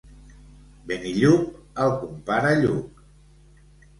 Benillup, el compare Lluc.